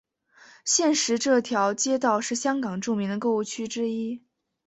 现时这条街道是香港著名的购物区之一。